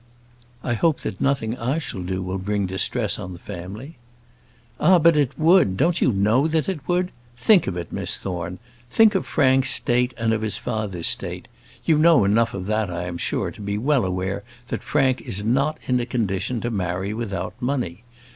"I hope that nothing I shall do will bring distress on the family." "Ah, but it would; don't you know that it would? Think of it, Miss Thorne. Think of Frank's state, and of his father's state. You know enough of that, I am sure, to be well aware that Frank is not in a condition to marry without money.